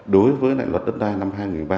đối với luật đất đai năm hai nghìn một mươi ba